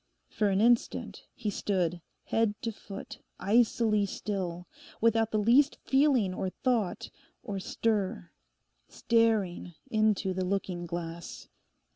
For an instant he stood head to foot icily still, without the least feeling, or thought, or stir—staring into the looking glass.